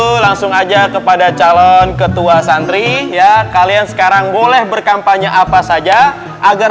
itu langsung aja kepada calon ketua santri ya kalian sekarang boleh berkampanye apa saja agar